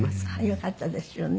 よかったですよね。